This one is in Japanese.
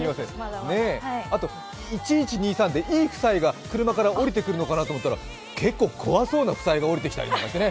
あと、１１２３でいい夫妻が車から降りてくると思ったら結構怖そうな夫妻が降りてきたりしてね。